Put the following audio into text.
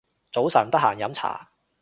早晨，得閒飲茶